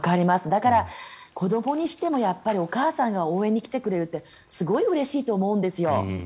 だから、子どもにしてもお母さんが応援に来てくれるってすごいうれしいと思うんですよ。